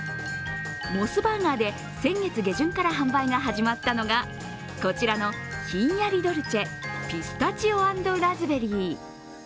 モスバーガーで先月下旬から販売が始まったのがこちらの、ひんやりドルチェピスタチオ＆ラズベリー。